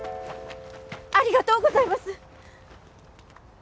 ありがとうございます！